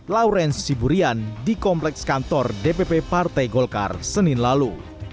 laurence siburian di kompleks kantor dpp partai golkar senin lalu